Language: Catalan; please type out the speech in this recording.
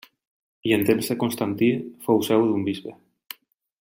I en temps de Constantí fou seu d'un bisbe.